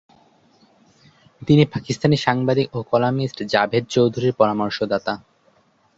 তিনি পাকিস্তানি সাংবাদিক ও কলামিস্ট জাভেদ চৌধুরীর পরামর্শদাতা।